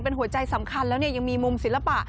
เป็นหัวใจสำคัญแล้วเนี่ยยังมีมุมศิลปะ